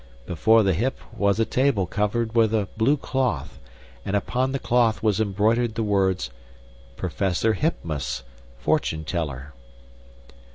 Before the hip was a table covered with a blue cloth, and upon the cloth was embroidered the words: "Professor Hipmus, Fortune Teller."